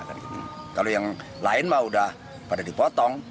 kalau yang lain mah udah pada dipotong